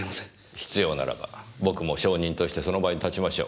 必要ならば僕も証人としてその場に立ちましょう。